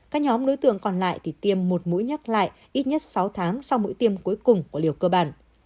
các nhóm đối tượng còn lại thì tiêm một mũi nhắc lại ít nhất sáu tháng sau mũi tiêm cuối cùng của liều cơ bản